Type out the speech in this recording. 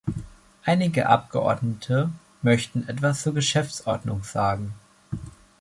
Einige Abgeordnete möchten etwas zur Geschäftsordnung sagen.